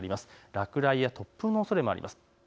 落雷や突風のおそれもあります。